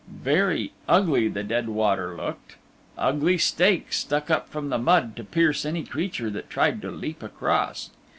Very ugly the dead water looked. Ugly stakes stuck up from the mud to pierce any creature that tried to leap across.